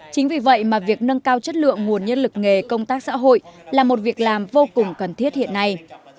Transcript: chính vì vậy mà việc nâng cao chất lượng nguồn nhân lực nghề công tác xã hội là một việc làm vô cùng cần thiết hiện nay